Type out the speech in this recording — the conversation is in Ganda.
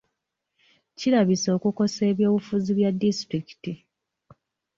Kirabisse okukosa eby'obufuzi bya disitulikiti.